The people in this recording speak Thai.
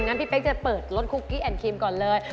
ก็เปิดคุกกี้แอนด์ครีมก่อนเลย